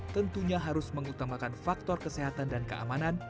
tentunya harus mengutamakan faktor kesehatan dan keamanan